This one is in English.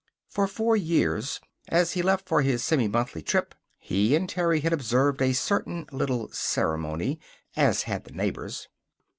For four years, as he left for his semi monthly trip, he and Terry had observed a certain little ceremony (as had the neighbors).